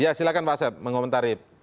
ya silahkan pak asep mengomentari